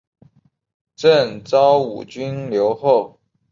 赠昭武军留后。